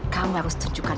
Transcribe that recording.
kamu harus tunjukkan